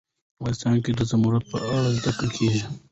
افغانستان کې د زمرد په اړه زده کړه کېږي.